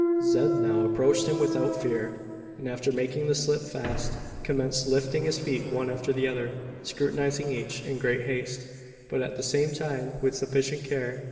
Zeb now approached him without fear; and, after making the slip fast, commenced lifting his feet one after the other scrutinising each, in great haste, but at the same time with sufficient care.